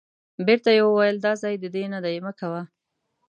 بیرته یې وویل دا ځای د دې نه دی مه کوه.